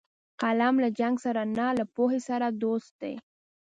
قلم له جنګ سره نه، له پوهې سره دوست دی